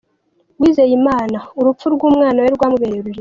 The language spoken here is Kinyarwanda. Uwizeyimana, urupfu rw’umwana we rwamubereye urujijo.